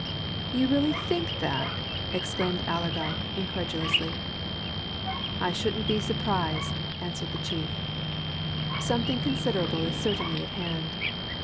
"You really think that?" exclaimed Allerdyke incredulously. "I shouldn't be surprised," answered the chief, "Something considerable is certainly at hand.